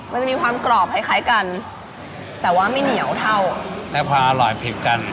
มันจะมีความกรอบคล้ายคล้ายกันแต่ว่าไม่เหนียวเท่าอ่ะแล้วพออร่อยผิดกัน